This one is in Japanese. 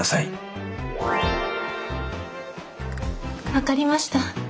分かりました。